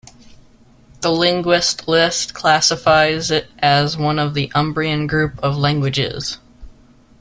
The Linguist List classifies it as one of the Umbrian Group of languages.